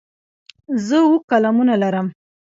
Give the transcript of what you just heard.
زه اووه قلمونه لرم.